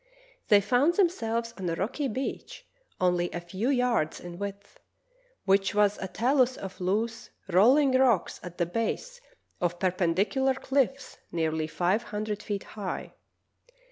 They found themselves on a rocky beach, only a few yards in width, which was a talus of loose, rolling rocks at the base of perpendicular cliffs nearly five hundred feet high.